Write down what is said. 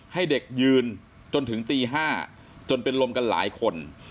ให้เด็กยืนจนถึงตี๕จนเป็นลมกันหลายคน